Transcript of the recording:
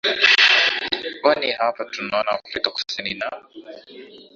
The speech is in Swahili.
oni hapa tunaona afrika kusini na